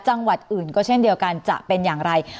จังหวัดอื่นก็เช่นเดียวกันจะเป็นอย่างไร